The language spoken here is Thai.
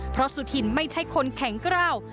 เพราะสุธินไม่ใช่คนแข็งกล้าว